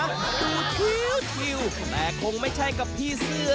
แต่ว่าแต่ละคนเนี่ยไม่รู้ว่าตั้งใจมาแข่งกินกันจริงหรือเปล่านะ